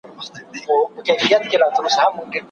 صنعتي کاروبار څنګه د تولید سیستم تنظیموي؟